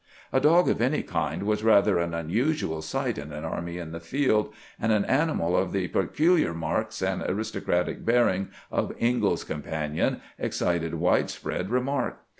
A dog of any kind was rather an unusual sight in an army in the field, and an animal of the peculiar marks and aristocratic bearing of Ingalls's companion excited wide spread remark.